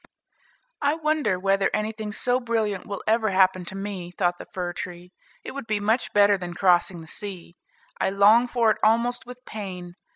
"I wonder whether anything so brilliant will ever happen to me," thought the fir tree. "It would be much better than crossing the sea. I long for it almost with pain.